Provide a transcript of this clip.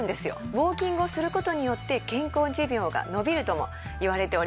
ウォーキングをする事によって健康寿命が延びるともいわれております。